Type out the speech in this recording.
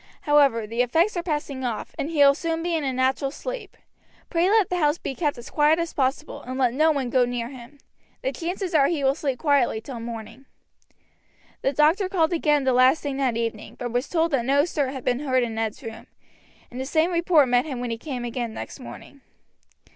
However, the effects are passing off, and he will soon be in a natural sleep. Pray let the house be kept as quiet as possible, and let no one go near him. The chances are he will sleep quietly till morning." The doctor called again the last thing that evening, but was told that no stir had been heard in Ned's room, and the same report met him when he came again next morning.